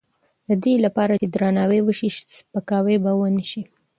د دې لپاره چې درناوی وشي، سپکاوی به ونه شي.